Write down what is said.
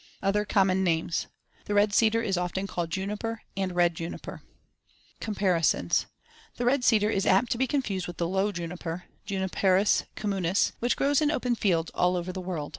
Other common names: The red cedar is also often called juniper and red juniper. Comparisons: The red cedar is apt to be confused with the low juniper (Juniperus communis) which grows in open fields all over the world.